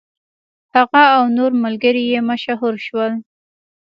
هغه او نور ملګري یې مشهور شول.